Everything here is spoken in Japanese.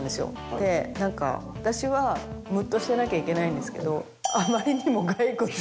で何か私はムッとしてなきゃいけないんですけど。